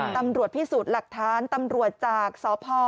ตำรวจพิสูจน์หลักฐานตำรวจจากสพ